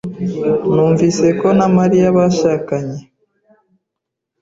Numvise ko na Mariya bashakanye.